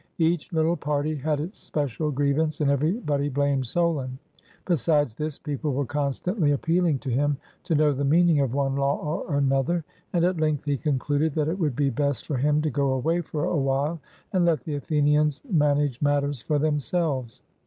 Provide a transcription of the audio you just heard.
Each little party had its special grievance, and every body blamed Solon. Besides this, people were constantly appealing to him to know the meaning of one law or another; and at length he concluded that it would be best for him to go away for a while and let the Athenians manage matters for themselves.